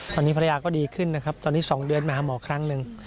ตอนนี้ภรรยาก็ดีขึ้นนะครับตอนนี้๒เดือนมาหาหมอครั้งหนึ่ง